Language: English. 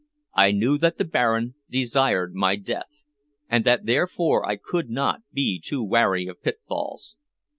I knew that the Baron desired my death, and that therefore I could not be too wary of pitfalls.